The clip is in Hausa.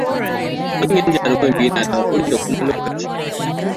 Manyan jaruman biyu na da haƙuri da kuma lokaci.